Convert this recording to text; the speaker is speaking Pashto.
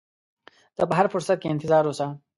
ته په هر فرصت کې انتظار اوسه.